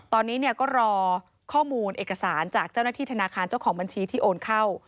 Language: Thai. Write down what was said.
ตอนนี้ก็รอข้อมูลเอกสารจากเจ้าหน้าที่ธนาคารเจ้าของบัญชีที่โอนเข้า